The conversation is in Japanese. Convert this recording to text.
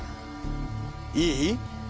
いい？